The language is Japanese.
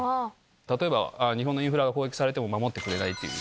例えば、日本のインフラが攻撃されても守ってくれないっていう。